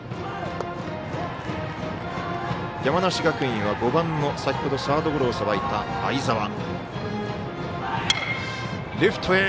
山梨学院は５番の先ほどサードゴロをさばいた相澤。